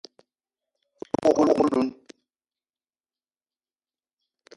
O te wok oloun